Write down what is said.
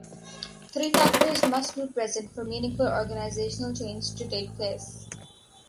Three factors must be present for meaningful organizational change to take place.